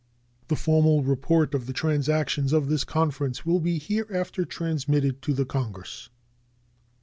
The formal report of the transactions of this conference will be hereafter transmitted to the Congress.